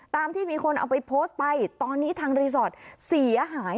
ตามที่มีคนเอาไปโพสต์ไปตอนนี้ทางรีสอร์ทเสียหาย